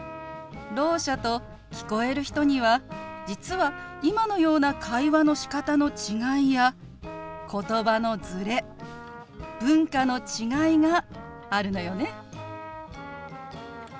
ろう者と聞こえる人には実は今のような会話のしかたの違いや言葉のズレ文化の違いがあるのよね。